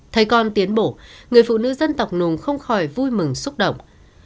thầy con tiến bổ người phụ nữ dân tộc nùng không khỏi vui mừng xúc động